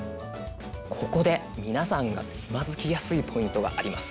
ここで皆さんがつまずきやすいポイントがあります。